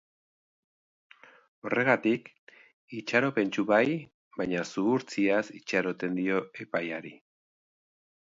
Horregatik, itxaropentsu bai, baina zuhurtziaz itxaroten dio epaiari.